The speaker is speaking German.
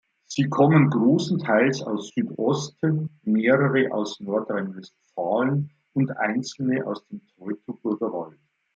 Sie kommen großenteils aus Südosten, mehrere aus Nordrhein-Westfalen und einzelne aus dem Teutoburger Wald.